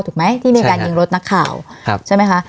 ถูกไหมที่มีการยิงรถนักข่าวใช่ไหมคะ